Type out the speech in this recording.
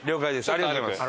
ありがとうございます。